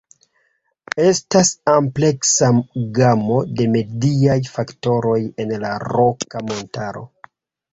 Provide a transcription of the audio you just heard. Estas ampleksa gamo de mediaj faktoroj en la Roka Montaro.